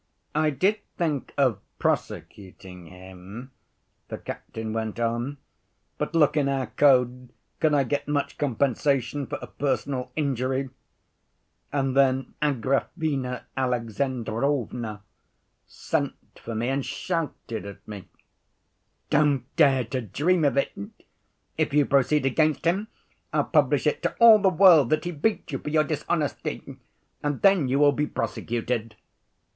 "I did think of prosecuting him," the captain went on, "but look in our code, could I get much compensation for a personal injury? And then Agrafena Alexandrovna sent for me and shouted at me: 'Don't dare to dream of it! If you proceed against him, I'll publish it to all the world that he beat you for your dishonesty, and then you will be prosecuted.